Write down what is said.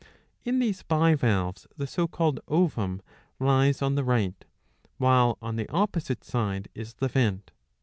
In these bivalves the so called ovum lies on the right ; while on the opposite side is the vent.